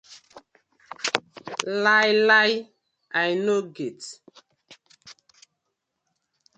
Lai lai I no get.